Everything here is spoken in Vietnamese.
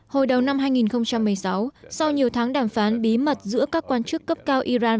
hồi đầu năm hai nghìn một mươi sáu sau nhiều tháng đàm phán bí mật giữa các quan chức cấp cao iran